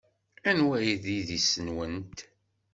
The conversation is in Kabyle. Anwa ay d idis-nwent?